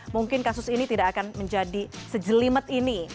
mungkin kasus ini tidak akan menjadi sejelimet ini